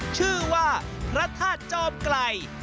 ชื่อว่าพระธาตุจอมไกล